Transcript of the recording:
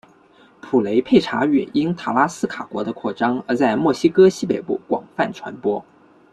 普雷佩查语因塔拉斯卡国的扩张而在墨西哥西北部广泛传播。